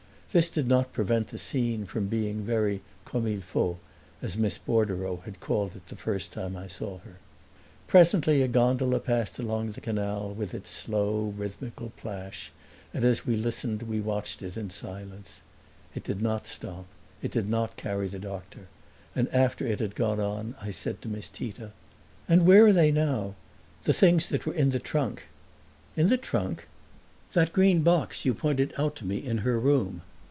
This did not prevent the scene from being very comme il faut, as Miss Bordereau had called it the first time I saw her. Presently a gondola passed along the canal with its slow rhythmical plash, and as we listened we watched it in silence. It did not stop, it did not carry the doctor; and after it had gone on I said to Miss Tita: "And where are they now the things that were in the trunk?" "In the trunk?" "That green box you pointed out to me in her room.